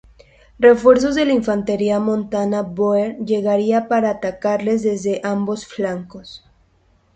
Refuerzos de la infantería montada Boer llegarían para atacarles desde ambos flancos.